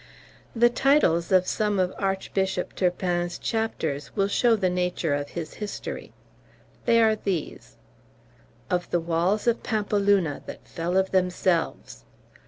The titles of some of Archbishop Turpin's chapters will show the nature of his history. They are these: "Of the Walls of Pampeluna, that fell of themselves."